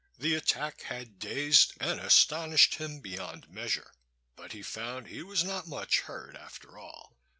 The attack had dazed and astonished him beyond measure; but he found he was not much hurt, after all.